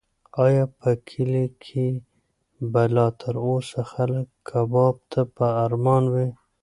ایا په کلي کې به لا تر اوسه خلک کباب ته په ارمان وي؟